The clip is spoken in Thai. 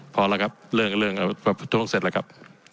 พอแล้วครับเรื่องประท้วงเสร็จแล้วครับ